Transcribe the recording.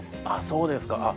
あそうですか。